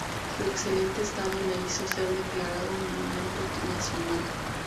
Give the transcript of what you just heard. Su excelente estado le hizo ser declarado monumento nacional.